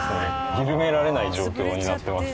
緩められない状況になってます。